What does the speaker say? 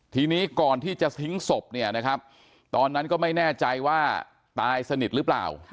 ทีนี้ก่อนที่จะทิ้งศพเนี่ยนะครับตอนนั้นก็ไม่แน่ใจว่าตายสนิทหรือเปล่า